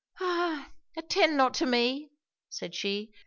'Ah! attend not to me!' said she.